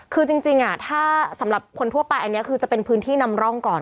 คือจริงถ้าสำหรับคนทั่วไปอันนี้คือจะเป็นพื้นที่นำร่องก่อน